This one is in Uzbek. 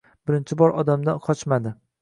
Birinchi bor odamdan qochmadi.